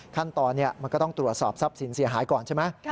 ขั้นตอนมันก็ต้องตรวจสอบทรัพย์สินเสียหายก่อนใช่ไหม